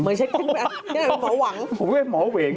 ผมก็อ่านเป็นหมอเหวง